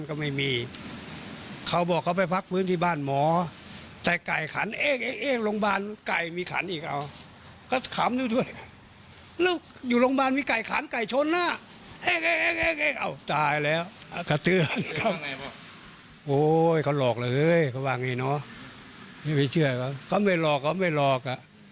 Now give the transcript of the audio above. โอ้ยเค้าหลอกเลยเค้าว่าไงเนอะไม่เชื่อเค้าไม่หลอกเค้าไม่หลอก